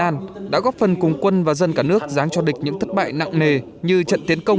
an đã góp phần cùng quân và dân cả nước dáng cho địch những thất bại nặng nề như trận tiến công